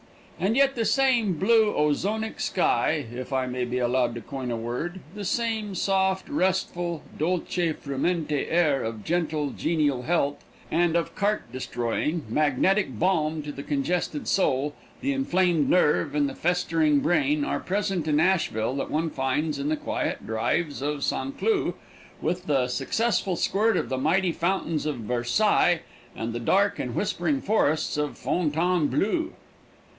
And yet the same blue, ozonic sky, if I may be allowed to coin a word, the same soft, restful, dolce frumenti air of gentle, genial health, and of cark destroying, magnetic balm to the congested soul, the inflamed nerve and the festering brain, are present in Asheville that one finds in the quiet drives of San Cloo with the successful squirt of the mighty fountains of Vairsi and the dark and whispering forests of Fon taine bloo.